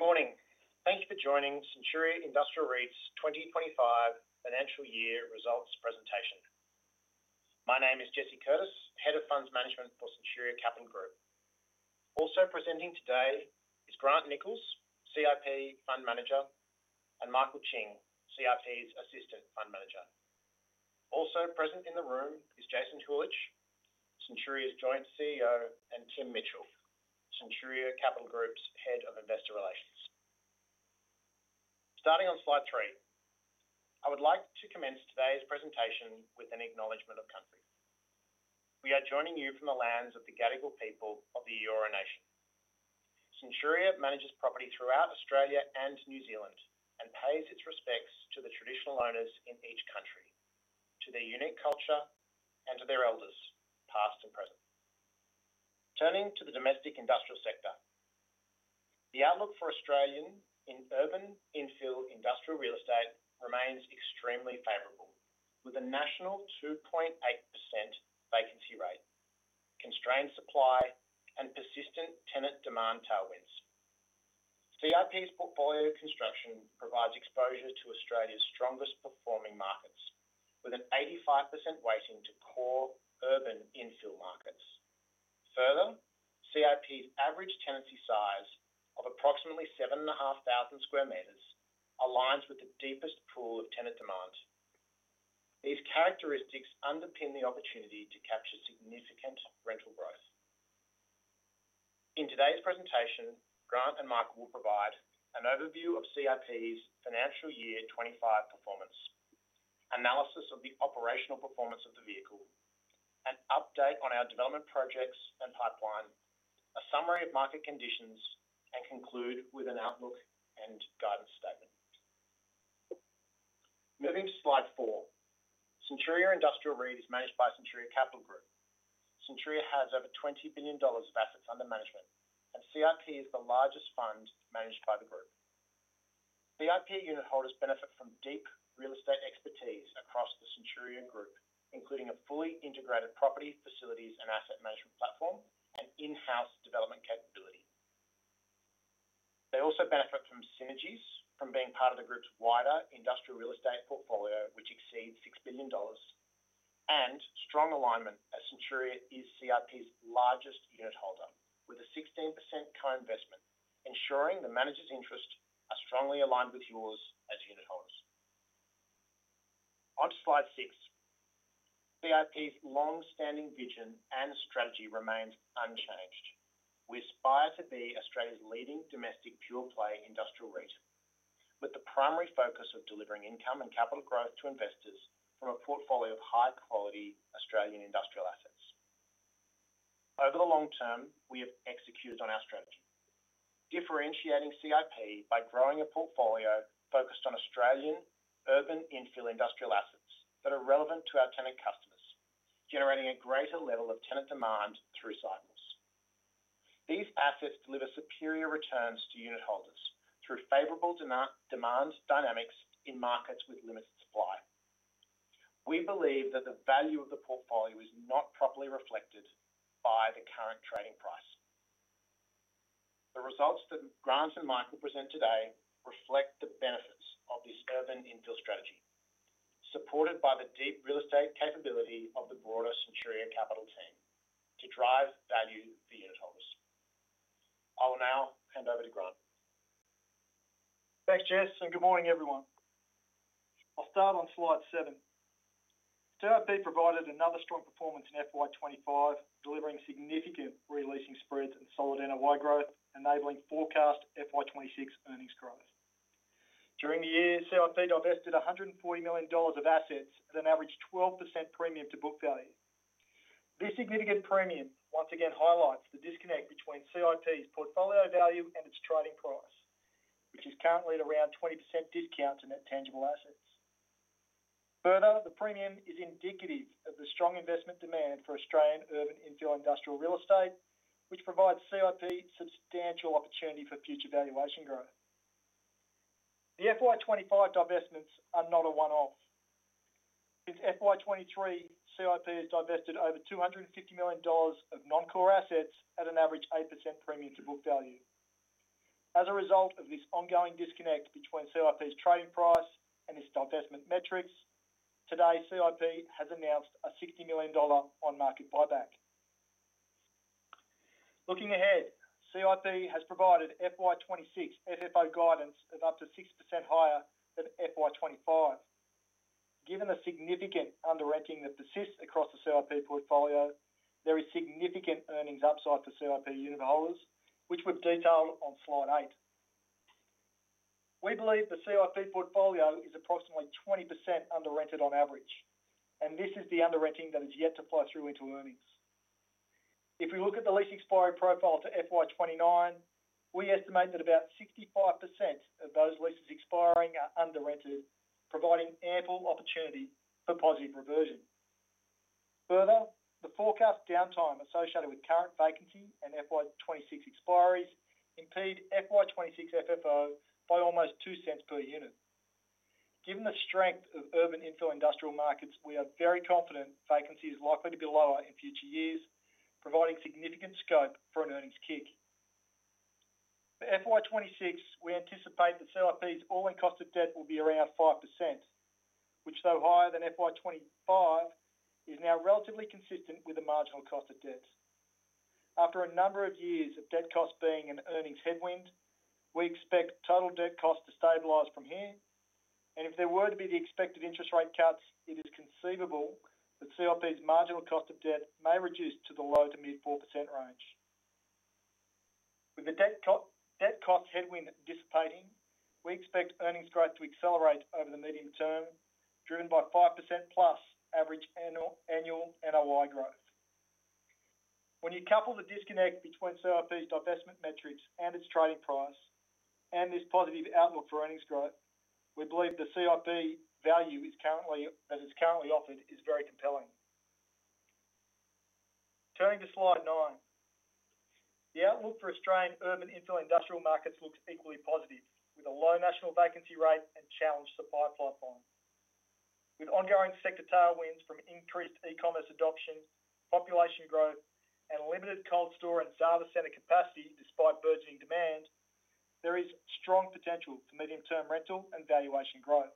Good morning. Thank you for joining Centuria Industrial REIT's 2025 financial year results presentation. My name is Jesse Curtis, Head of Funds Management for Centuria Capital Group. Also presenting today is Grant Nichols, CIP Fund Manager, and Michael Ching, CIP's Assistant Fund Manager. Also present in the room is Jason Huljich, Centuria's Joint CEO, and Tim Mitchell, Centuria Capital Group's Head of Investor Relations. Starting on slide three, I would like to commence today's presentation with an acknowledgement of country. We are joining you from the lands of the Gadigal people of the Eora Nation. Centuria manages property throughout Australia and New Zealand and pays its respects to the traditional owners in each country, to their unique culture, and to their elders, past and present. Turning to the domestic industrial sector, the outlook for Australia in urban infill industrial real estate remains extremely favorable, with a national 2.8% vacancy rate, constrained supply, and persistent tenant demand tailwinds. CIP's portfolio construction provides exposure to Australia's strongest performing markets, with an 85% weighting to core urban infill markets. Further, CIP's average tenancy size of approximately 7,500 square meters aligns with the deepest pool of tenant demand. These characteristics underpin the opportunity to capture significant rental growth. In today's presentation, Grant and Michael will provide an overview of CIP's financial year 2025 performance, analysis of the operational performance of the vehicle, an update on our development projects and pipeline, a summary of market conditions, and conclude with an outlook and guidance statement. Moving to slide four, Centuria Industrial REIT is managed by Centuria Capital Group. Centuria has over $20 billion of assets under management, and CIP is the largest fund managed by the group. CIP unit holders benefit from deep real estate expertise across the Centuria Group, including a fully integrated property, facilities, and asset management platform and in-house development capability. They also benefit from synergies from being part of the group's wider industrial real estate portfolio, which exceeds $6 billion, and strong alignment as Centuria is CIP's largest unit holder, with a 16% co-investment, ensuring the managers' interests are strongly aligned with yours as unit holders. On slide six, CIP's long-standing vision and strategy remains unchanged. We aspire to be Australia's leading domestic pure play industrial REIT, with the primary focus of delivering income and capital growth to investors from a portfolio of high-quality Australian industrial assets. Over the long term, we have executed on our strengths, differentiating CIP by growing a portfolio focused on Australian urban infill industrial assets that are relevant to our tenant customers, generating a greater level of tenant demand through cycles. These assets deliver superior returns to unit holders through favorable demand dynamics in markets with limited supply. We believe that the value of the portfolio is not properly reflected by the current trading price. The results that Grant Nichols and Michael Ching present today reflect the benefits of this urban infill strategy, supported by the deep real estate capability of the broader Centuria Capital Group team to drive value for unit holders. I will now hand over to Grant. Thanks, Jess, and good morning, everyone. I'll start on slide seven. CIP provided another strong performance in FY 2025, delivering significant re-leasing spreads and solid NOI growth, enabling forecast FY 2026 earnings growth. During the year, CIP divested $140 million of assets at an average 12% premium to book value. This significant premium once again highlights the disconnect between CIP's portfolio value and its trading price, which is currently at around a 20% discount on NTA. Further, the premium is indicative of the strong investment demand for Australian urban infill industrial real estate, which provides CIP substantial opportunity for future valuation growth. The FY 2025 divestments are not a one-off. Since FY 2023, CIP has divested over $250 million of non-core assets at an average 8% premium to book value. As a result of this ongoing disconnect between CIP's trading price and its divestment metrics, today CIP has announced a $60 million on-market buyback. Looking ahead, CIP has provided FY 2026 FFO guidance at up to 6% higher than FY 2025. Given the significant under-ranking that persists across the CIP portfolio, there is significant earnings upside for CIP unit holders, which we've detailed on slide eight. We believe the CIP portfolio is approximately 20% under-rented on average, and this is the under-renting that has yet to flow through into earnings. If we look at the lease expiry profile to FY 2029, we estimate that about 65% of those leases expiring are under-rented, providing ample opportunity for positive reversion. Further, the forecast downtime associated with current vacancy and FY 2026 expiry impedes FY 2026 FFO by almost $0.02 per unit. Given the strength of urban infill industrial markets, we are very confident vacancy is likely to be lower in future years, providing significant scope for an earnings kick. For FY 2026, we anticipate that CIP's all-in cost of debt will be around 5%, which, though higher than FY 2025, is now relatively consistent with the marginal cost of debt. After a number of years of debt costs being an earnings headwind, we expect total debt costs to stabilize from here, and if there were to be the expected interest rate cuts, it is conceivable that CIP's marginal cost of debt may reduce to the low to mid-4% range. With the debt cost headwind dissipating, we expect earnings growth to accelerate over the medium term, driven by 5%+ average annual NOI growth. When you couple the disconnect between CIP's divestment metrics and its trading price and this positive outlook for earnings growth, we believe the CIP value that is currently offered is very compelling. Turning to slide nine, the outlook for Australian urban infill industrial markets looks equally positive, with a low national vacancy rate and challenged supply pipeline. With ongoing sector tailwinds from increased e-commerce adoption, population growth, and limited cold store and data centre capacity despite burgeoning demand, there is strong potential for medium-term rental and valuation growth.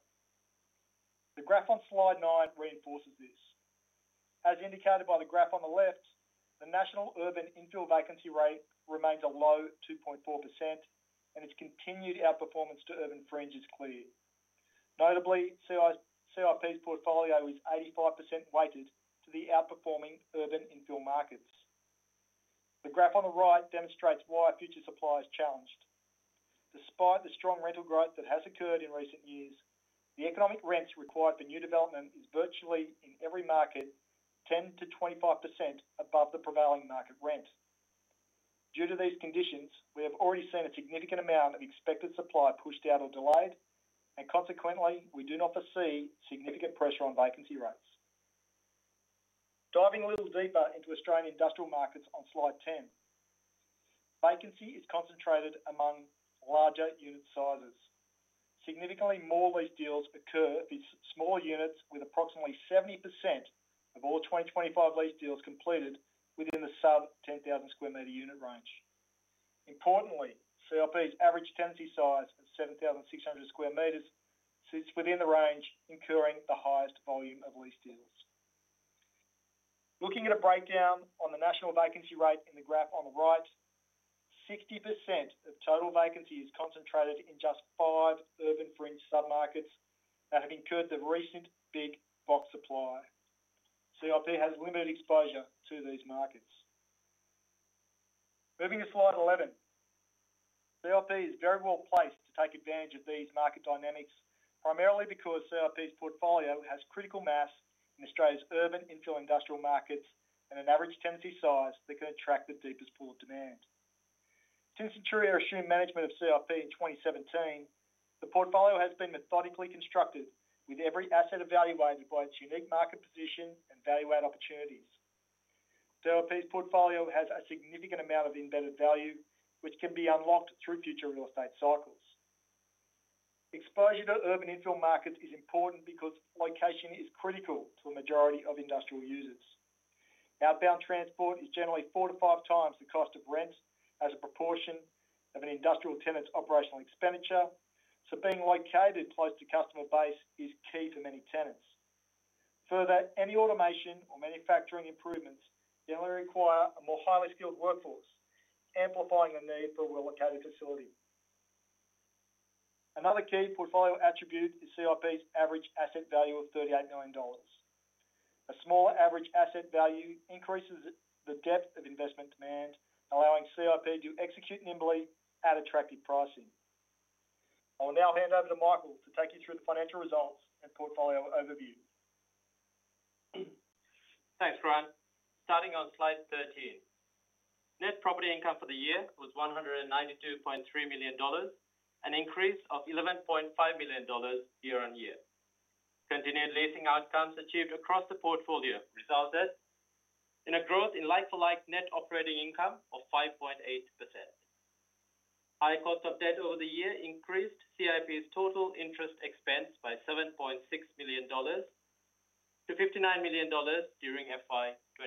The graph on slide nine reinforces this. As indicated by the graph on the left, the national urban infill vacancy rate remains a low 2.4%, and its continued outperformance to urban fringe is clear. Notably, CIP's portfolio is 85% weighted to the outperforming urban infill markets. The graph on the right demonstrates why future supply is challenged. Despite the strong rental growth that has occurred in recent years, the economic rents required for new development is virtually in every market 10%-25% above the prevailing market rent. Due to these conditions, we have already seen a significant amount of expected supply pushed out or delayed, and consequently, we do not foresee significant pressure on vacancy rates. Diving a little deeper into Australian industrial markets on slide 10, vacancy is concentrated among larger unit sizes. Significantly more lease deals occur in smaller units, with approximately 70% of all 2025 lease deals completed within the sub-10,000 square meter unit range. Importantly, CIP's average tenancy size of 7,600 square meters sits within the range incurring the highest volume of lease deals. Looking at a breakdown on the national vacancy rate in the graph on the right, 60% of total vacancy is concentrated in just five urban fringe submarkets that have incurred the recent big box supply. CIP has limited exposure to these markets. Moving to slide 11, CIP is very well placed to take advantage of these market dynamics, primarily because CIP's portfolio has critical mass in Australia's urban infill industrial markets and an average tenancy size that can attract the deepest pool of demand. Since Centuria assumed management of CIP in 2017, the portfolio has been methodically constructed, with every asset evaluated by its unique market position and value-add opportunities. CIP's portfolio has a significant amount of embedded value, which can be unlocked through future real estate cycles. Exposure to urban infill markets is important because location is critical to a majority of industrial users. Outbound transport is generally 4-5x the cost of rent as a proportion of an industrial tenant's operational expenditure, so being located close to customer base is key for many tenants. Further, any automation or manufacturing improvements generally require a more highly skilled workforce, amplifying the need for a well-located facility. Another key portfolio attribute is CIP's average asset value of $38 million. A smaller average asset value increases the depth of investment demand, allowing CIP to execute nimbly at attractive pricing. I will now hand over to Michael to take you through the financial results and portfolio overview. Thanks, Grant. Starting on slide 13, net property income for the year was $192.3 million, an increase of $11.5 million year-on-year. Continued leasing outcomes achieved across the portfolio resulted in a growth in like-for-like net operating income of 5.8%. High cost of debt over the year increased CIP's total interest expense by $7.6 million-$59 million during FY 2025.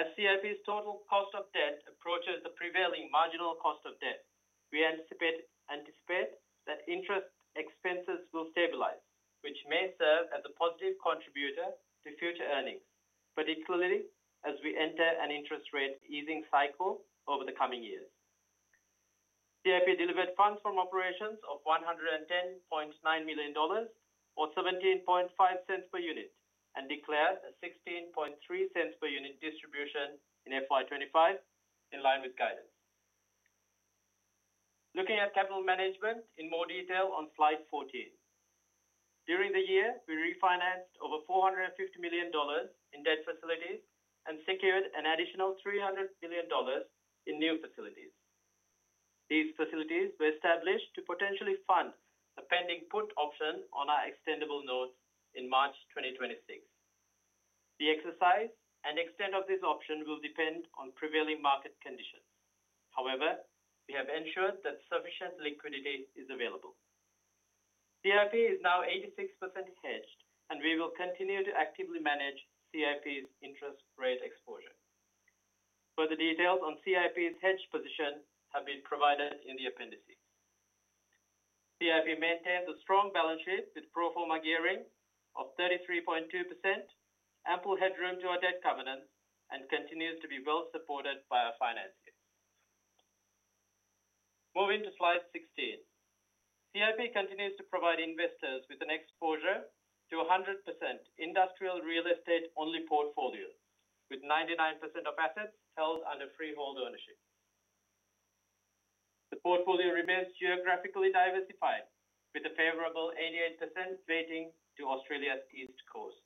As CIP's total cost of debt approaches the prevailing marginal cost of debt, we anticipate that interest expenses will stabilize, which may serve as a positive contributor to future earnings, particularly as we enter an interest rate easing cycle over the coming year. CIP delivered funds from operations of $110.9 million or $0.175 per unit and declared a $0.163 per unit distribution in FY 2025, in line with guidance. Looking at capital management in more detail on slide 14, during the year, we refinanced over $450 million in debt facilities and secured an additional $300 million in new facilities. These facilities were established to potentially fund a pending put option on our extendable note in March 2026. The exercise and extent of this option will depend on prevailing market conditions. However, we have ensured that sufficient liquidity is available. CIP is now 86% hedged, and we will continue to actively manage CIP's interest rate exposure. Further details on CIP's hedge position have been provided in the appendices. CIP maintains a strong balance sheet with pro forma gearing of 33.2%, ample hedge room to a debt covenant, and continues to be well supported by our finance here. Moving to slide 16, CIP continues to provide investors with an exposure to a 100% industrial real estate-only portfolio, with 99% of assets held under freehold ownership. The portfolio remains geographically diversified, with a favorable 88% weighting to Australia's east coast.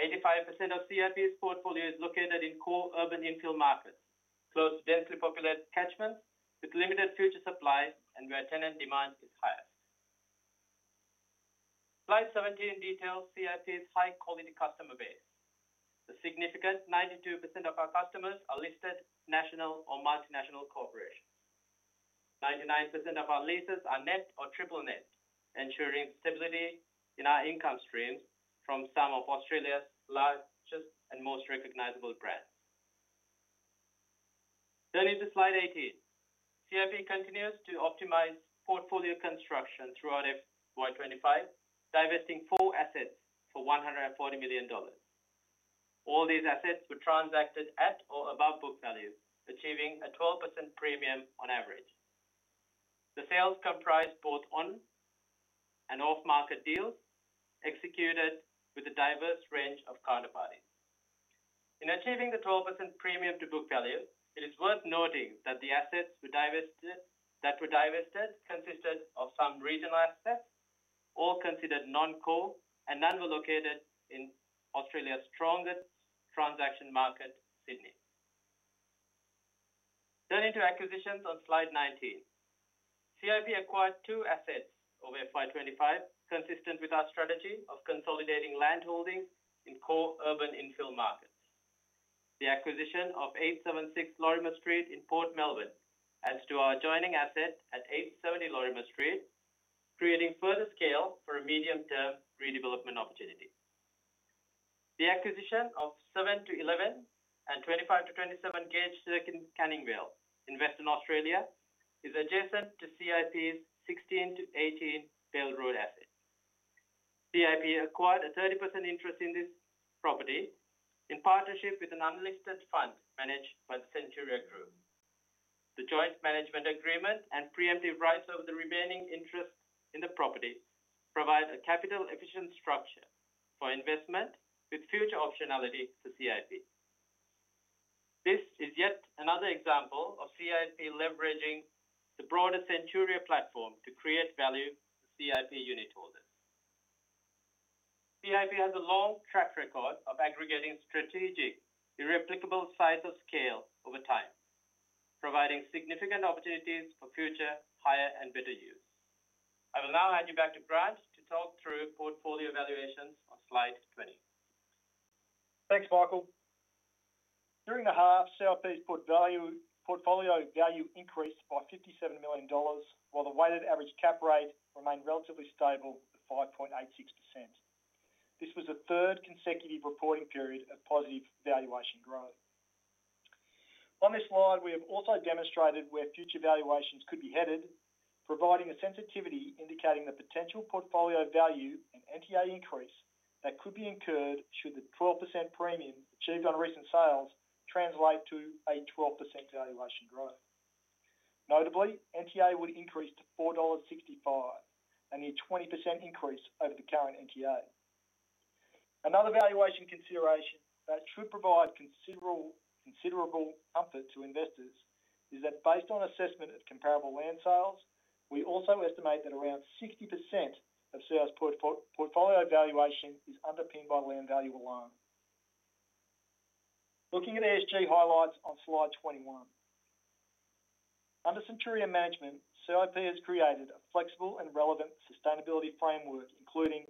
85% of CIP's portfolio is located in core urban infill markets, close to densely populated catchments with limited future supply and where tenant demand is highest. Slide 17 details CIP's high-quality customer base. A significant 92% of our customers are listed national or multinational corporations. 99% of our leases are net or triple net, ensuring stability in our income streams from some of Australia's largest and most recognizable brands. Turning to slide 18, CIP continues to optimize portfolio construction throughout FY 2025, divesting four assets for $140 million. All these assets were transacted at or above book value, achieving a 12% premium on average. The sales comprised both on and off-market deals, executed with a diverse range of counterparties. In achieving the 12% premium to book value, it is worth noting that the assets that were divested consisted of some regional assets, all considered non-core, and none were located in Australia's strongest transaction market, Sydney. Turning to acquisitions on slide 19, CIP acquired two assets over FY 2025, consistent with our strategy of consolidating landholding in core urban infill markets. The acquisition of 876 Lorimer Street in Port Melbourne adds to our adjoining asset at 870 Lorimer Street, creating further scale for a medium-term redevelopment opportunity. The acquisition of 7-11 and 25-27 Gauge Circuit Canning Vale in Western Australia is adjacent to CIP's 16-18 Bell Road assets. CIP acquired a 30% interest in this property in partnership with an unlisted fund managed by the Centuria Capital Group. The joint management agreement and preemptive rights over the remaining interest in the property provide a capital-efficient structure for investment with future optionality to CIP. This is yet another example of CIP leveraging the broader Centuria platform to create value for CIP unit holders. CIP has a long track record of aggregating strategic irreplicable size of scale over time, providing significant opportunities for future higher and better use. I will now hand you back to Grant to talk through portfolio evaluations on slide 20. Thanks, Michael. During the half, CIP's portfolio value increased by $57 million, while the weighted average cap rate remained relatively stable at 5.86%. This was the third consecutive reporting period of positive valuation growth. On this slide, we have also demonstrated where future valuations could be headed, providing a sensitivity indicating the potential portfolio value and NTA increase that could be incurred should the 12% premium achieved on recent sales translate to a 12% valuation growth. Notably, NTA would increase to $4.65, a near 20% increase over the current NTA. Another valuation consideration that should provide considerable comfort to investors is that, based on assessment of comparable land sales, we also estimate that around 60% of sales portfolio valuation is underpinned by land value alone. Looking at ESG highlights on slide 21, under Centuria management, CIP has created a flexible and relevant sustainability framework, including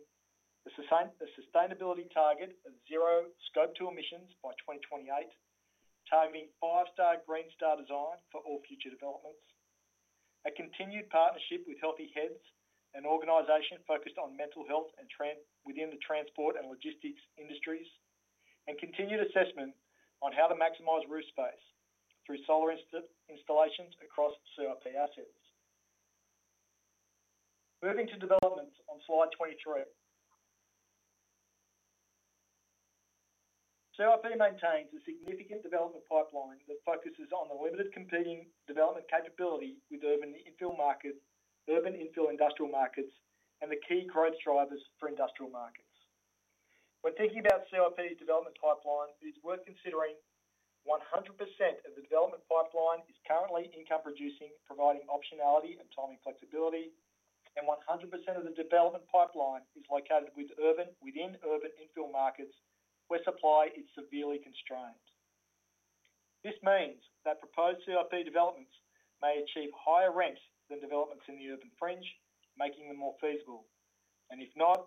a sustainability target of zero scope 2 emissions by 2028, targeting five-star Green Star design for all future developments, a continued partnership with Healthy Heads, an organization focused on mental health and within the transport and logistics industries, and continued assessment on how to maximize roof space through solar installations across CIP assets. Moving to developments on slide 23, CIP maintains a significant development pipeline that focuses on the limited competing development capability with urban infill markets, urban infill industrial markets, and the key growth drivers for industrial markets. When thinking about CIP's development pipeline, it's worth considering 100% of the development pipeline is currently income producing, providing optionality and timing flexibility, and 100% of the development pipeline is located within urban infill markets where supply is severely constrained. This means that proposed CIP developments may achieve higher rents than developments in the urban fringe, making them more feasible, and if not,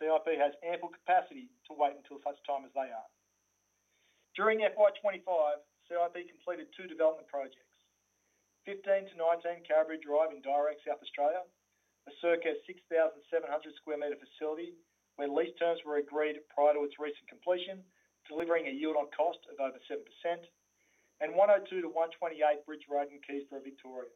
CIP has ample capacity to wait until such time as they are. During FY 2025, CIP completed two development projects: 15-19 Canberra Drive in Darra, South Australia, a circa 6,700 square meter facility where lease terms were agreed prior to its recent completion, delivering a yield on cost of over 7%, and 102-128 Bridge Road in Keysborough, Victoria,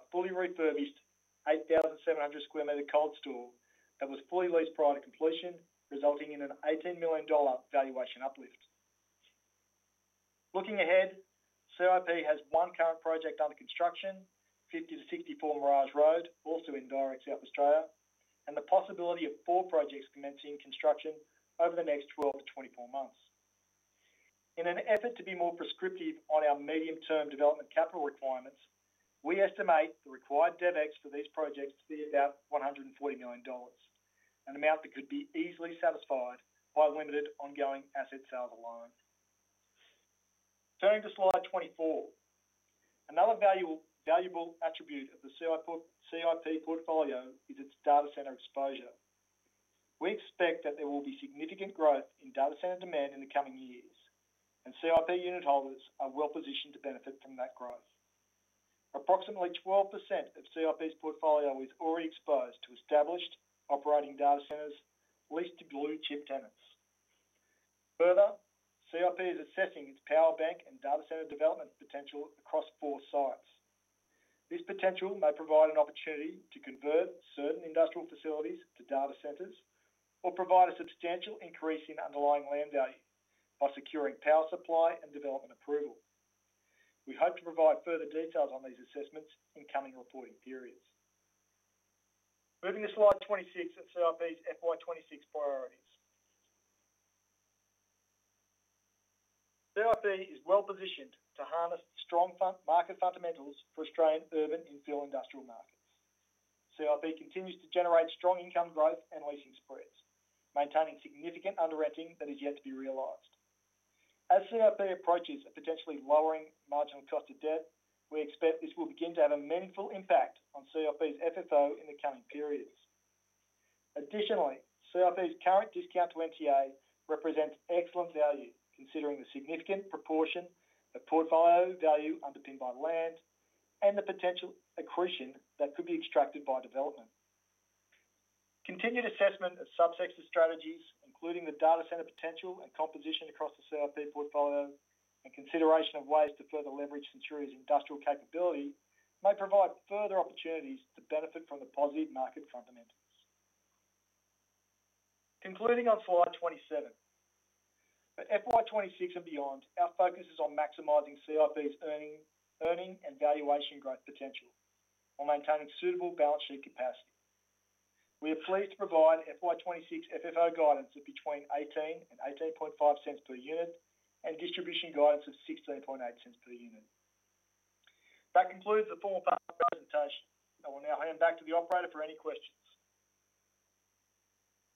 a fully refurbished 8,700 square meter cold store that was fully leased prior to completion, resulting in an $18 million valuation uplift. Looking ahead, CIP has one current project under construction, 50-64 Mirage Road, also in Darra, South Australia, and the possibility of four projects commencing construction over the next 12 months-24 months. In an effort to be more prescriptive on our medium-term development capital requirements, we estimate the required CapEx for these projects to be about $140 million, an amount that could be easily satisfied by limited ongoing asset sales alone. Turning to slide 24, another valuable attribute of the CIP portfolio is its data centre exposure. We expect that there will be significant growth in data centre demand in the coming years, and CIP unit holders are well positioned to benefit from that growth. Approximately 12% of CIP's portfolio is already exposed to established operating data centres, leased to blue-chip tenants. Further, CIP is assessing its power bank and data centre development potential across four sites. This potential may provide an opportunity to convert certain industrial facilities to data centres or provide a substantial increase in underlying land value by securing power supply and development approval. We hope to provide further details on these assessments in coming reporting periods. Moving to slide 26 of CIP's FY 2026 priorities, CIP is well positioned to harness strong market fundamentals for Australian urban infill industrial markets. CIP continues to generate strong income growth and leasing spreads, maintaining significant under-renting that is yet to be realized. As CIP approaches a potentially lowering marginal cost of debt, we expect this will begin to have a meaningful impact on CIP's FFO in the coming periods. Additionally, CIP's current discount to NTA represents excellent value considering the significant proportion of portfolio value underpinned by land and the potential accretion that could be extracted by development. Continued assessment of subsector strategies, including the data centre potential and composition across the CIP portfolio, and consideration of ways to further leverage Centuria's industrial capability may provide further opportunities to benefit from the positive market fundamentals. Concluding on slide 27, for FY 2026 and beyond, our focus is on maximizing CIP's earning and valuation growth potential while maintaining suitable balance sheet capacity. We are pleased to provide FY 2026 FFO guidance of between $0.18 and $0.185 per unit and distribution guidance of $0.168 per unit. That concludes the formal part of the presentation. I will now hand back to the operator for any questions.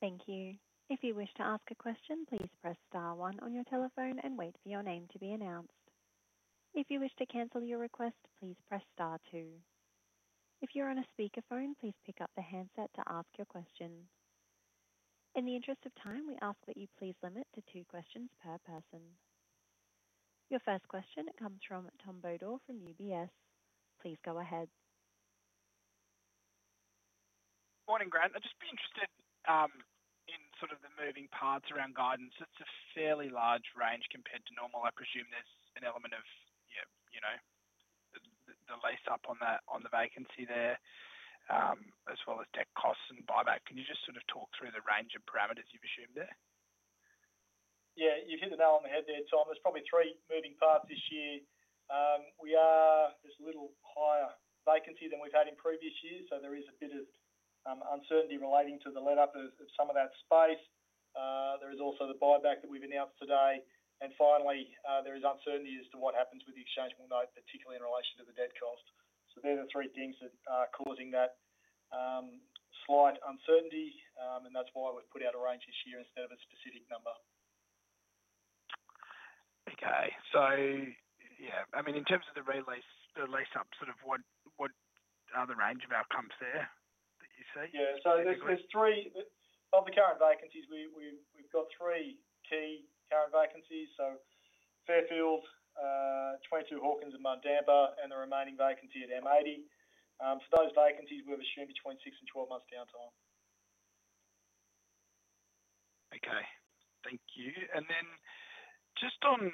Thank you. If you wish to ask a question, please press star one on your telephone and wait for your name to be announced. If you wish to cancel your request, please press star two. If you're on a speakerphone, please pick up the handset to ask your question. In the interest of time, we ask that you please limit to two questions per person. Your first question comes from Tom Bodor from UBS. Please go ahead. Morning, Grant. I'd just be interested in sort of the moving parts around guidance. It's a fairly large range compared to normal. I presume there's an element of the lease up on the vacancy there, as well as debt costs and buyback. Can you just sort of talk through the range of parameters you've assumed there? Yeah, you've hit the nail on the head there, Tom. There's probably three moving parts this year. There's a little higher vacancy than we've had in previous years, so there is a bit of uncertainty relating to the let-up of some of that space. There is also the on-market buyback that we've announced today, and finally, there is uncertainty as to what happens with the exchange move note, particularly in relation to the debt cost. These are three things that are causing that slight uncertainty, and that's why we've put out a range this year instead of a specific number. Okay, so in terms of the lease-up, what are the range of outcomes there that you see? Yeah, so there's three. Of the current vacancies, we've got three key current vacancies: Fairfield, 22 Hawkins, and Mudamba and the remaining vacancy at M80. Those vacancies we're assuming between six and 12 months downtime. Okay, thank you. Just on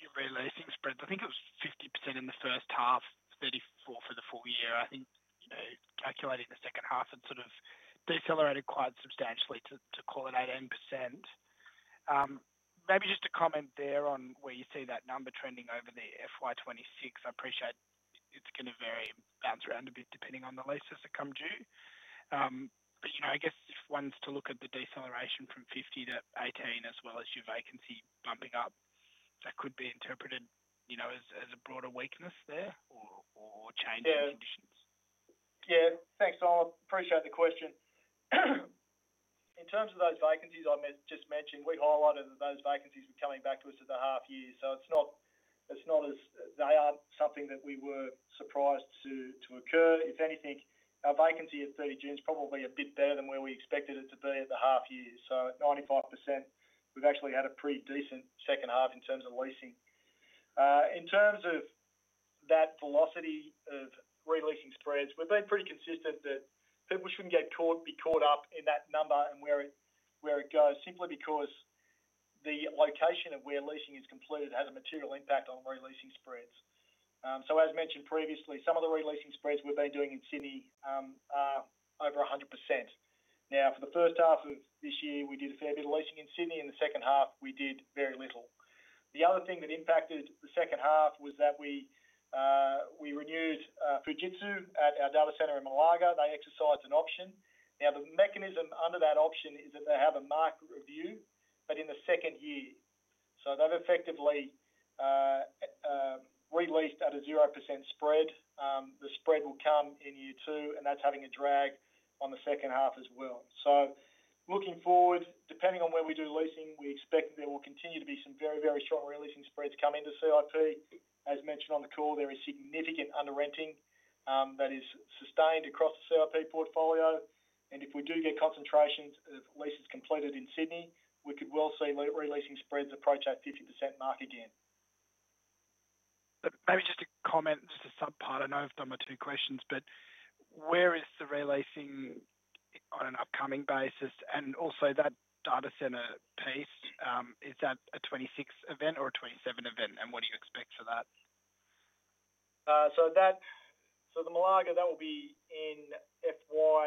your re-leasing spread, I think it was 50% in the first half, 34% for the full year. I think, calculating the second half, it sort of decelerated quite substantially to call it 18%. Maybe just a comment there on where you see that number trending over the FY 2026. I appreciate it's going to vary and bounce around a bit depending on the leases that come due. I guess if one's to look at the deceleration from 50%-18%, as well as your vacancy bumping up, that could be interpreted as a broader weakness there or change in conditions. Yeah, thanks, Tom. Appreciate the question. In terms of those vacancies I just mentioned, we highlighted that those vacancies were coming back to us at the half year, so it's not as they aren't something that we were surprised to occur. If anything, our vacancy at 30 June is probably a bit better than where we expected it to be at the half year. At 95%, we've actually had a pretty decent second half in terms of leasing. In terms of that velocity of re-leasing spreads, we've been pretty consistent that people shouldn't get caught, be caught up in that number and where it goes, simply because the location of where leasing is completed has a material impact on re-leasing spreads. As mentioned previously, some of the re-leasing spreads we've been doing in Sydney are over 100%. For the first half of this year, we did a fair bit of leasing in Sydney, and the second half we did very little. The other thing that impacted the second half was that we renewed Fujitsu at our data centre in Malaga. They exercised an option. The mechanism under that option is that they have a market review, but in the second year. They've effectively re-leased at a 0% spread. The spread will come in year two, and that's having a drag on the second half as well. Looking forward, depending on where we do leasing, we expect there will continue to be some very, very short re-leasing spreads coming to CIP. As mentioned on the call, there is significant under-renting that is sustained across the CIP portfolio, and if we do get concentrations of leases completed in Sydney, we could well see re-leasing spreads approach that 50% mark again. Maybe just a comment, just a subpart. I know I've done my two questions, but where is the re-leasing on an upcoming basis? Also, that data centres piece, is that a 2026 event or a 2027 event, and what do you expect for that? The Malaga, that will be in FY,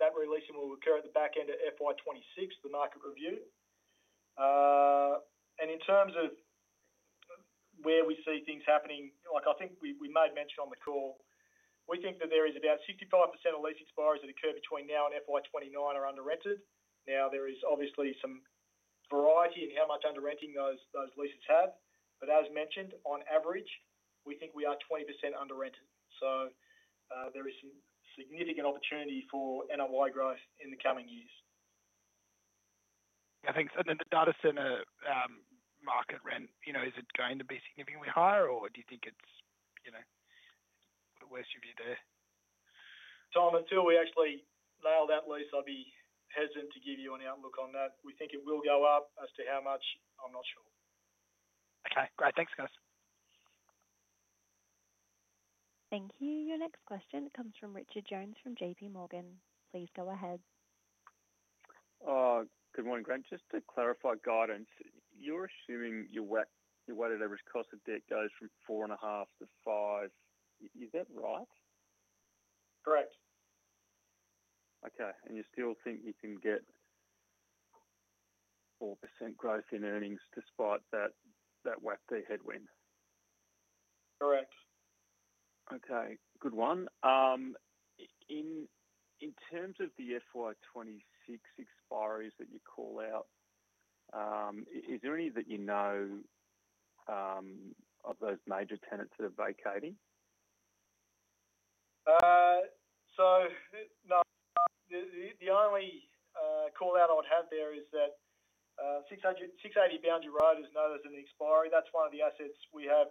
that lease will occur at the back end of FY 2026, the market review. In terms of where we see things happening, like I think we may have mentioned on the call, we think that there is about 65% of lease expires that occur between now and FY 2029 are under-rented. There is obviously some variety in how much under-renting those leases have, but as mentioned, on average, we think we are 20% under-rented. There is some significant opportunity for NOI growth in the coming years. I think, the data centre market rent, you know, is it going to be significantly higher, or do you think it's, you know, the worst you could do there? Tom, until we actually nail that lease, I'd be hesitant to give you an outlook on that. We think it will go up, as to how much, I'm not sure. Okay, great. Thanks, guys. Thank you. Your next question comes from Richard Jones from JPMorgan. Please go ahead. Good morning, Grant. Just to clarify guidance, you're assuming your weighted average cost of debt goes from 4.5%- 5%. Is that right? Correct. Okay, you still think you can get 4% growth in earnings despite that WACC headwind? Correct. Okay, good one. In terms of the FY 2026 expiry that you call out, is there any that you know of those major tenants that are vacating? The only call out I would have there is that 680 Boundary Road is known as an expiry. That's one of the assets we have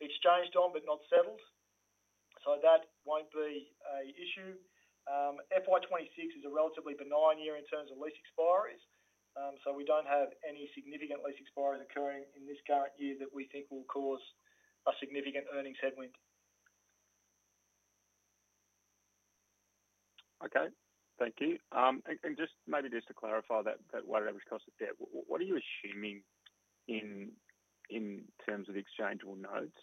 exchanged on but not settled. That won't be an issue. FY 2026 is a relatively benign year in terms of lease expires, so we don't have any significant lease expires occurring in this current year that we think will cause a significant earnings headwind. Thank you. Just to clarify that weighted average cost of debt, what are you assuming in terms of exchangeable notes?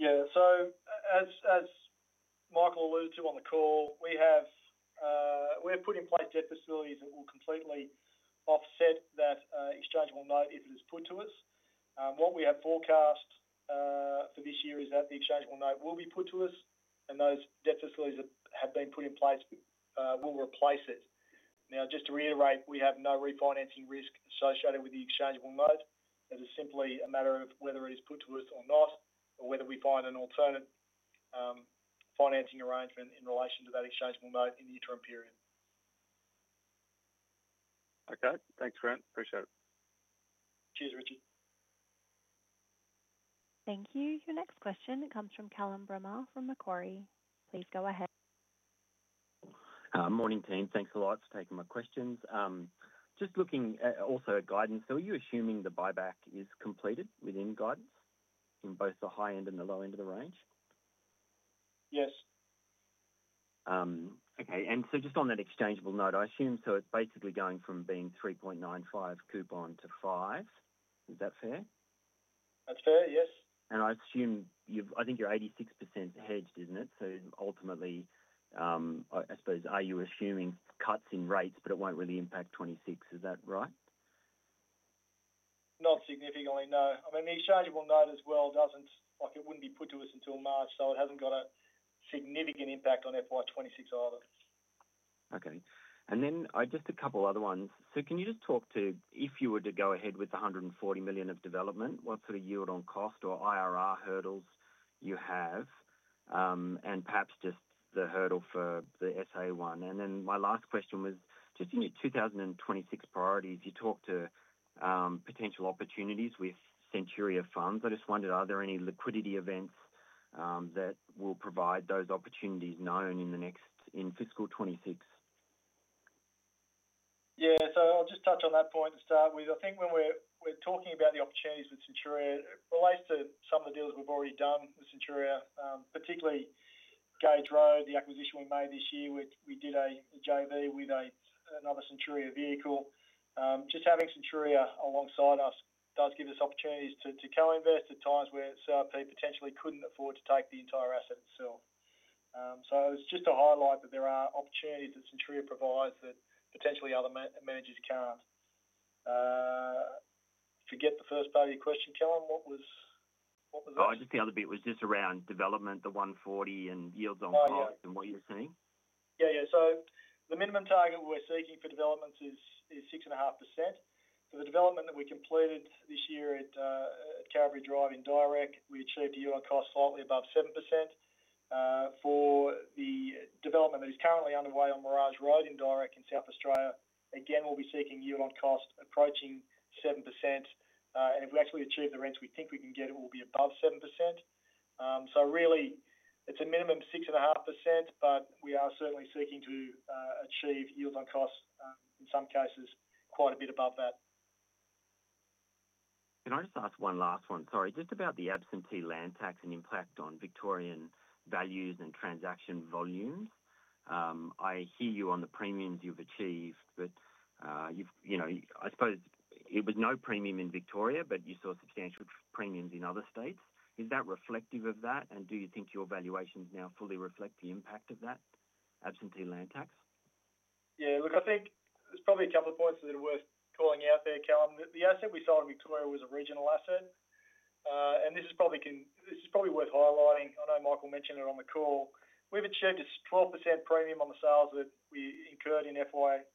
As Michael alluded to on the call, we have put in place debt facilities that will completely offset that exchangeable note if it is put to us. What we have forecast for this year is that the exchangeable note will be put to us, and those debt facilities that have been put in place will replace it. Just to reiterate, we have no refinancing risk associated with the exchangeable note. It is simply a matter of whether it is put to us or not, or whether we find an alternate financing arrangement in relation to that exchangeable note in the interim period. Okay, thanks, Grant. Appreciate it. Cheers, Richard. Thank you. Your next question comes from Callum Bramah from Macquarie. Please go ahead. Morning team, thanks a lot for taking my questions. Just looking also at guidance, are you assuming the buyback is completed within guidance in both the high end and the low end of the range? Yes. Okay, just on that exchangeable note, I assume it's basically going from being 3.95% coupon to 5%. Is that fair? That's fair, yes. I assume you're 86% hedged, isn't it? Ultimately, I suppose, are you assuming cuts in rates, but it won't really impact 2026, is that right? Not significantly, no. I mean, the exchangeable note as well doesn't, like it wouldn't be put to us until March, so it hasn't got a significant impact on FY 2026 either. Okay, just a couple other ones. Can you talk to, if you were to go ahead with the $140 million of development, what sort of yield on cost or IRR hurdles you have, and perhaps just the hurdle for the SA1? My last question was, in your 2026 priorities, you talked to potential opportunities with Centuria funds. I just wondered, are there any liquidity events that will provide those opportunities known in the next, in fiscal 2026? I'll just touch on that point to start with. I think when we're talking about the opportunities with Centuria, it relates to some of the deals we've already done with Centuria, particularly Gauge Road, the acquisition we made this year. We did a JV with another Centuria vehicle. Just having Centuria alongside us does give us opportunities to co-invest at times where CIP potentially couldn't afford to take the entire asset itself. It was just to highlight that there are opportunities that Centuria provides that potentially other managers can't. Forget the first part of your question, Callum. What was? Just the other bit was just around development, the $140 million, and yields on cost, and what you're seeing. Yeah, the minimum target we're seeking for developments is 6.5%. For the development that we completed this year at Canberra Drive in Darra, we achieved a yield on cost slightly above 7%. For the development that is currently underway on Mirage Road in Darra in South Australia, we're seeking yield on cost approaching 7%. If we actually achieve the rents we think we can get, it will be above 7%. It's a minimum of 6.5%, but we are certainly seeking to achieve yield on cost, in some cases, quite a bit above that. Can I just ask one last one? Sorry, just about the absentee land tax and impact on Victorian values and transaction volumes. I see you on the premiums you've achieved, but you know, I suppose it was no premium in Victoria, but you saw substantial premiums in other states. Is that reflective of that, and do you think your valuations now fully reflect the impact of that absentee land tax? Yeah, look, I think there's probably a couple of points that are worth calling out there, Callum. The asset we sold in Victoria was a regional asset, and this is probably worth highlighting. I know Michael mentioned it on the call. We've achieved a 12% premium on the sales that we incurred in FY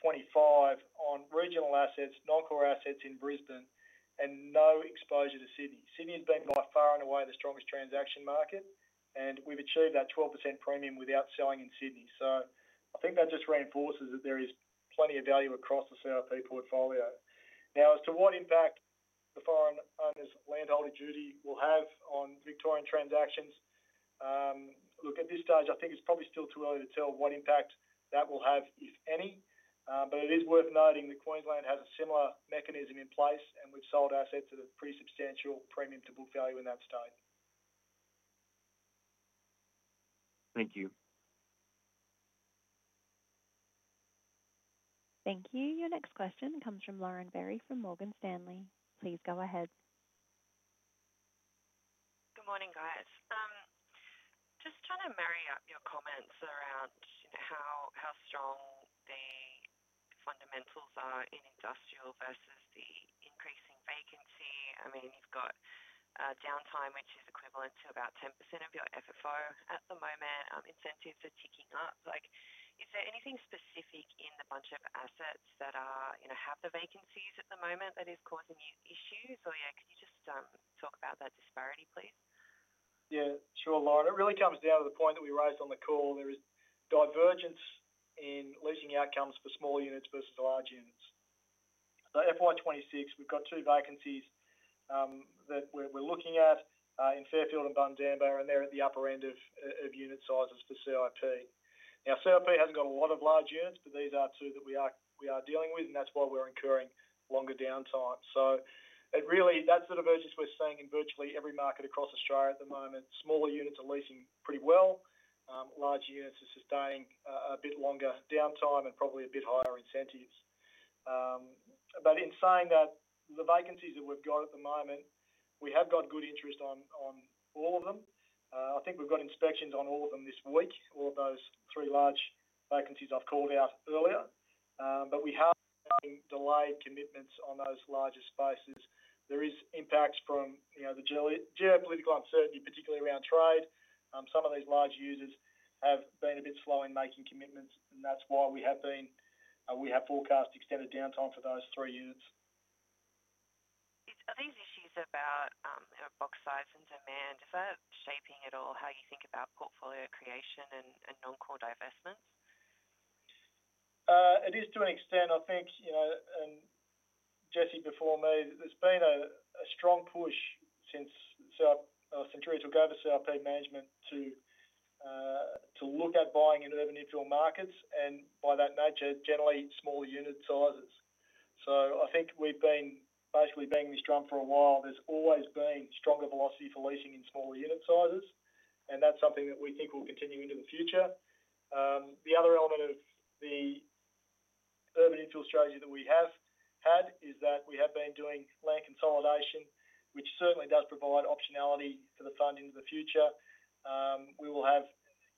2025 on regional assets, non-core assets in Brisbane, and no exposure to Sydney. Sydney has been by far and away the strongest transaction market, and we've achieved that 12% premium without selling in Sydney. I think that just reinforces that there is plenty of value across the CIP portfolio. Now, as to what impact the foreign owners' landholder duty will have on Victorian transactions, at this stage, I think it's probably still too early to tell what impact that will have, if any, but it is worth noting that Queensland has a similar mechanism in place, and we've sold assets at a pretty substantial premium to book value in that state. Thank you. Thank you. Your next question comes from Lauren Berry from Morgan Stanley. Please go ahead. Good morning, guys. Just trying to marry up your comments around how strong the fundamentals are in industrial versus the increasing vacancy. I mean, you've got downtime, which is equivalent to about 10% of your FFO at the moment. Incentives are ticking up. Is there anything specific in the bunch of assets that have the vacancies at the moment that is causing you issues? Could you just talk about that disparity, please? Yeah, sure, Lauren. It really comes down to the point that we raised on the call. There is divergence in leasing outcomes for smaller units versus large units. For FY 2026, we've got two vacancies that we're looking at in Fairfield and Bundamba, and they're at the upper end of unit sizes for Centuria Industrial REIT. Centuria Industrial REIT hasn't got a lot of large units, but these are two that we are dealing with, and that's why we're incurring longer downtime. That's the divergence we're seeing in virtually every market across Australia at the moment. Smaller units are leasing pretty well. Larger units are sustaining a bit longer downtime and probably a bit higher incentives. In saying that, the vacancies that we've got at the moment, we have got good interest on all of them. I think we've got inspections on all of them this week, all of those three large vacancies I called out earlier. We have delayed commitments on those larger spaces. There are impacts from the geopolitical uncertainty, particularly around trade. Some of these large users have been a bit slow in making commitments, and that's why we have forecast extended downtime for those three units. Are these issues about box size and demand, is that shaping at all how you think about portfolio creation and non-core divestment? It is to an extent, I think, and Jesse, before me, there's been a strong push since Centuria took over CIP management to look at buying in urban infill markets, and by that nature, generally smaller unit sizes. I think we've been basically banging this drum for a while. There's always been stronger velocity for leasing in smaller unit sizes, and that's something that we think will continue into the future. The other element of the urban infill strategy that we have had is that we have been doing land consolidation, which certainly does provide optionality for the fund into the future. We will have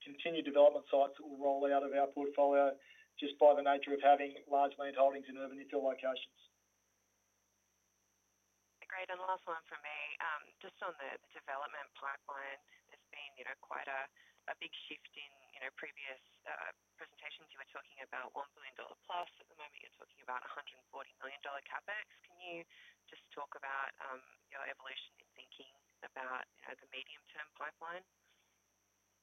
continued development sites that will roll out of our portfolio just by the nature of having large landholdings in urban infill locations. Great, and last one from me. Just on the development pipeline, there's been quite a big shift in previous presentations. You were talking about $1 billion+. At the moment, you're talking about $140 million CapEx. Can you just talk about your evolution in thinking about the medium-term pipeline?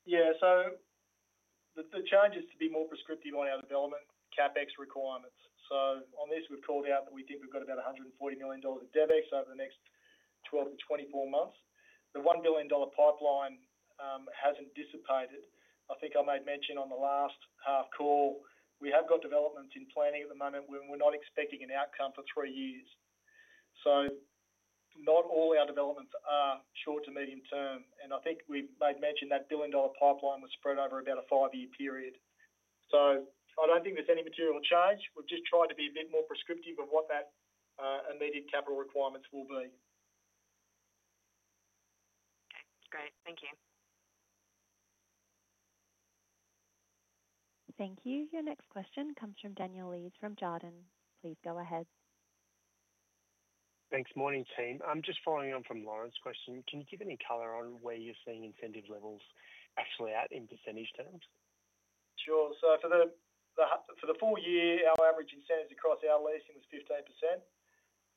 Yeah, the challenge is to be more prescriptive on our development CapEx requirements. On this, we've called out that we think we've got about $140 million of debt over the next 12 months- 24 months. The $1 billion pipeline hasn't dissipated. I think I made mention on the last half call, we have got developments in planning at the moment when we're not expecting an outcome for three years. Not all our developments are short to medium term, and I think we made mention that $1 billion pipeline was spread over about a five-year period. I don't think there's any material change. We've just tried to be a bit more prescriptive of what that immediate capital requirements will be. Okay, great. Thank you. Thank you. Your next question comes from Daniel Lees from Jarden. Please go ahead. Thanks. Morning team. I'm just following on from Lauren's question. Can you give any color on where you're seeing incentive levels actually at in percentage terms? Sure. For the full year, our average incentives across our leasing was 15%,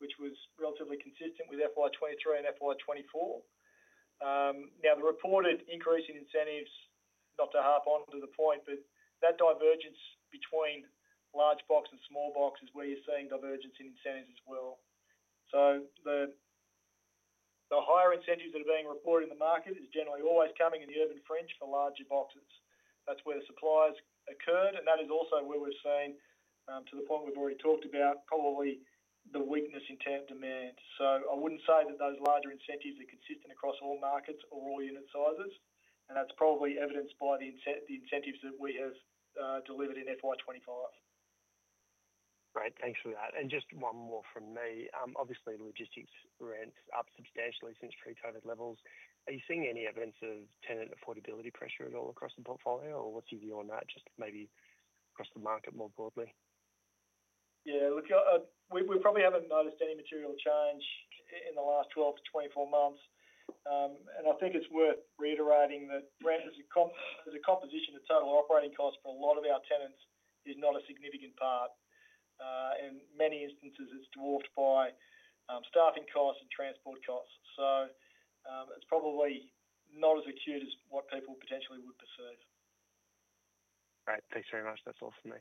which was relatively consistent with FY 2023 and FY 2024. The reported increase in incentives, not to harp on the point, but that divergence between large box and small box is where you're seeing divergence in incentives as well. The higher incentives that are being reported in the market is generally always coming in the urban fringe for larger boxes. That's where supply has occurred, and that is also where we've seen, to the point we've already talked about, probably the weakness in temp demand. I wouldn't say that those larger incentives are consistent across all markets or all unit sizes, and that's probably evidenced by the incentives that we have delivered in FY 2025. Great, thanks for that. Just one more from me. Obviously, logistics rents are up substantially since pre-COVID levels. Are you seeing any evidence of tenant affordability pressure at all across the portfolio, or what's your view on that? Maybe across the market more broadly. Yeah, look, we probably haven't noticed any material change in the last 12months-24 months, and I think it's worth reiterating that rent as a composition of total operating costs for a lot of our tenants is not a significant part. In many instances, it's dwarfed by staffing costs and transport costs. It's probably not as acute as what people potentially would perceive. Great, thanks very much. That's all for me.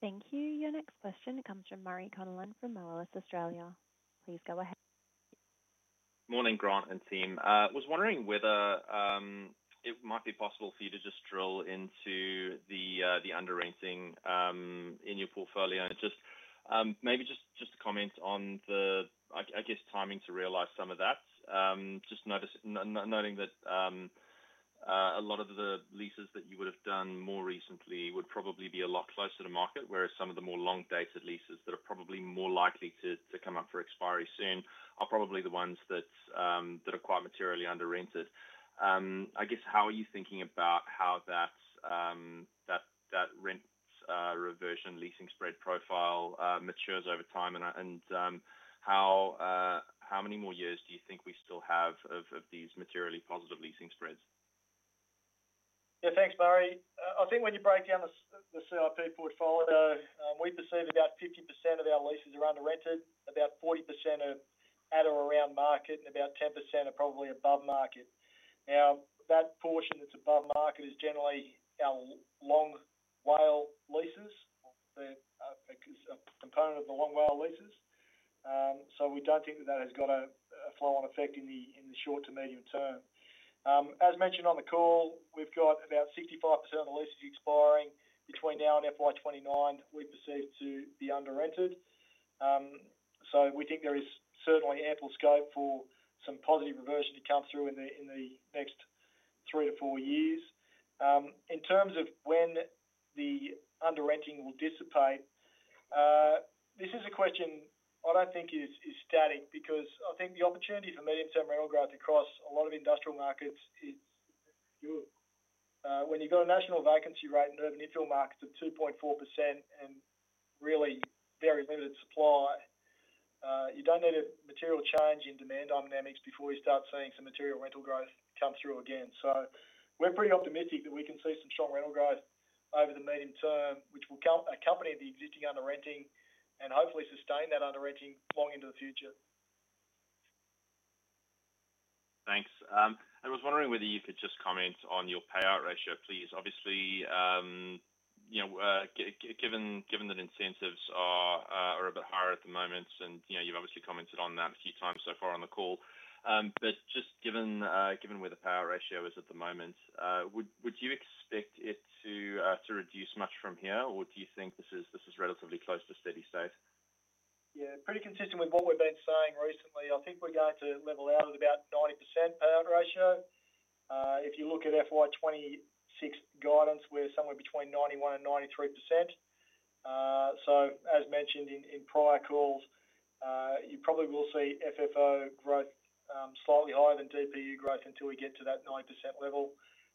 Thank you. Your next question comes from Murray Connellan from Melrose Australia. Please go ahead. Morning, Grant and team. I was wondering whether it might be possible for you to just drill into the under-renting in your portfolio and maybe just comment on the timing to realize some of that. Just noting that a lot of the leases that you would have done more recently would probably be a lot closer to market, whereas some of the more long-dated leases that are probably more likely to come up for expiry soon are probably the ones that are quite materially under-rented. How are you thinking about how that rent reversion leasing spread profile matures over time, and how many more years do you think we still have of these materially positive leasing spreads? Yeah, thanks, Murray. I think when you break down the CIP portfolio, we perceive about 50% of our leases are under-rented, about 40% are at or around market, and about 10% are probably above market. That portion that's above market is generally our long-wail leases. It's a component of the long-wail leases. We don't think that that has got a flow-on effect in the short to medium term. As mentioned on the call, we've got about 65% of the leases expiring between now and FY 2029, we perceive to be under-rented. We think there is certainly ample scope for some positive reversion to come through in the next three to four years. In terms of when the under-renting will dissipate, this is a question I don't think is static because I think the opportunity for medium-term rental growth across a lot of industrial markets is when you've got a national vacancy rate in urban infill markets of 2.4% and really very limited supply, you don't need a material change in demand dynamics before you start seeing some material rental growth come through again. We're pretty optimistic that we can see some strong rental growth over the medium term, which will accompany the existing under-renting and hopefully sustain that under-renting long into the future. Thanks. I was wondering whether you could just comment on your payout ratio, please. Obviously, you know, given that incentives are a bit higher at the moment, and you've obviously commented on that a few times so far on the call, but just given where the payout ratio is at the moment, would you expect it to reduce much from here, or do you think this is relatively close to steady state? Yeah, pretty consistent with what we've been saying recently. I think we're going to level out at about 90% payout ratio. If you look at FY 2026 guidance, we're somewhere between 91% and 93%. As mentioned in prior calls, you probably will see FFO growth slightly higher than DPU growth until we get to that 90% level.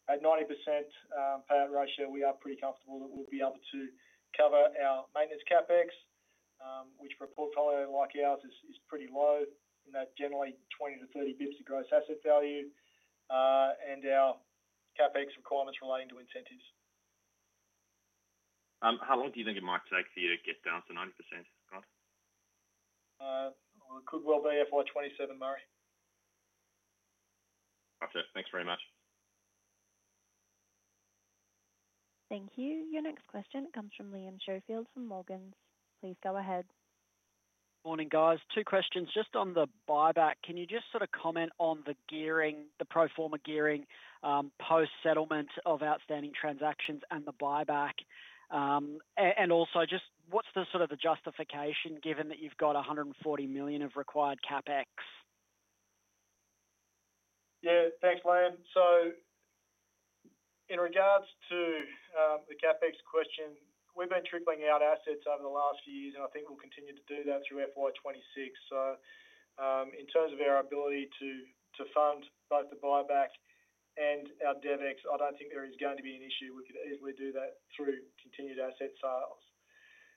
At 90% payout ratio, we are pretty comfortable that we'll be able to cover our maintenance CapEx, which for a portfolio like ours is pretty low in that generally 20bps-30 bps of gross asset value and our CapEx requirements relating to incentives. How long do you think it might take for you to get down to 90%, Grant? It could well be FY 2027, Murray. Got it. Thanks very much. Thank you. Your next question comes from Liam Sheffield from Morgans. Please go ahead. Morning, guys. Two questions just on the buyback. Can you just sort of comment on the gearing, the pro forma gearing post-settlement of outstanding transactions and the buyback? Also, what's the sort of the justification given that you've got $140 million of required CapEx? Yeah, thanks, Liam. In regards to the CapEx question, we've been tripling out assets over the last few years, and I think we'll continue to do that through FY 2026. In terms of our ability to fund both the buyback and our debt, I don't think there is going to be an issue. We could easily do that through continued asset sales.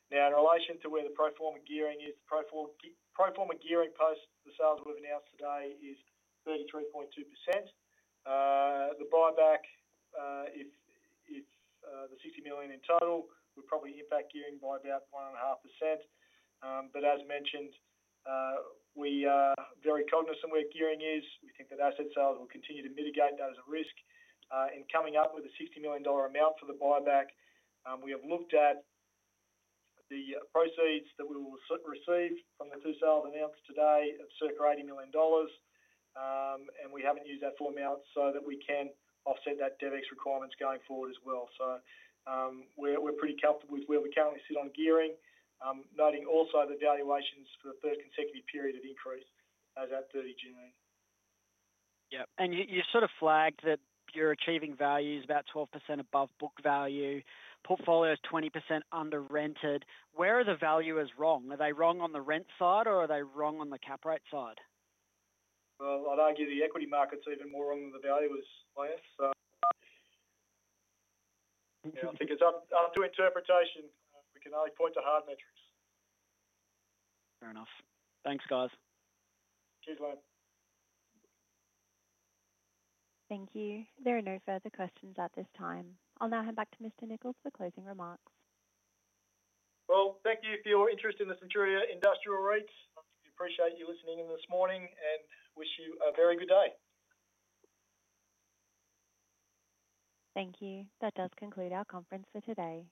In relation to where the pro forma gearing is, the pro forma gearing post the sales we've announced today is 33.2%. The buyback, if it's the $60 million in total, would probably impact gearing by about 1.5%. As mentioned, we are very cognizant where gearing is. We think that asset sales will continue to mitigate that as a risk in coming up with a $60 million amount for the buyback. We have looked at the proceeds that we will receive from the two sales announced today of circa $80 million, and we haven't used that full amount so that we can offset that debt requirements going forward as well. We're pretty comfortable with where we currently sit on gearing, noting also the valuations for the third consecutive period have increased as of 30 June. Yeah, and you sort of flagged that you're achieving values about 12% above book value. Portfolio is 20% under-rented. Where are the valuers wrong? Are they wrong on the rent side, or are they wrong on the cap rate side? I'd argue the equity market's even more wrong than the valuers, I guess. Interesting. I think it's up to interpretation. We can only point to hard metrics. Fair enough. Thanks, guys. Cheers, Liam. Thank you. There are no further questions at this time. I'll now hand back to Mr. Nichols for closing remarks. Thank you for your interest in the Centuria Industrial REIT. We appreciate you listening in this morning and wish you a very good day. Thank you. That does conclude our conference for today.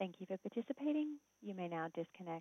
Thank you for participating. You may now disconnect.